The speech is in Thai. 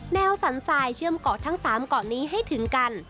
สันทรายเชื่อมเกาะทั้ง๓เกาะนี้ให้ถึงกัน